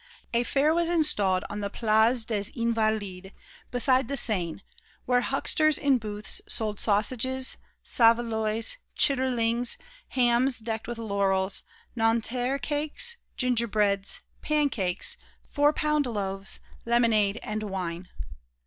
A fair was installed on the Place des Invalides, beside the Seine, where hucksters in booths sold sausages, saveloys, chitterlings, hams decked with laurels, Nanterre cakes, gingerbreads, pancakes, four pound loaves, lemonade and wine.